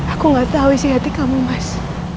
aku gak tahu isi hati kamu mas